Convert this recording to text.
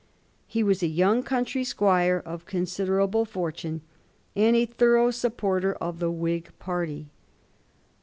He was a young country squire of con siderable fortune, and a thorough supporter of the Whig party.